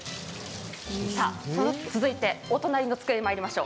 続いてお隣の机にまいりましょう。